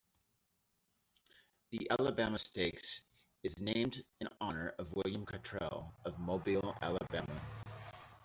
The Alabama Stakes is named in honor of William Cottrell of Mobile, Alabama.